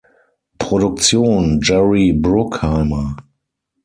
Produktion: Jerry Bruckheimer.